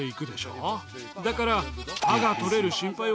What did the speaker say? だから。